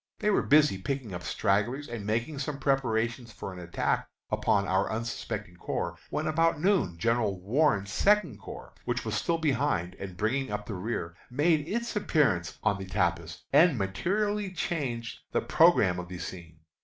They were busy picking up stragglers and making some preparation for an attack upon our unsuspecting corps, when about noon General Warren's Second Corps, which was still behind, and bringing up the rear, made its appearance on the tapis, and materially changed the programme of the scene.